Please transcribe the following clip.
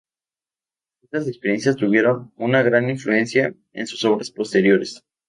Estas experiencias tuvieron una gran influencia en sus obras posteriores.